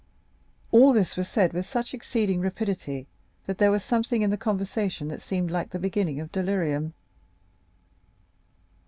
All this was said with such exceeding rapidity, that there was something in the conversation that seemed like the beginning of delirium.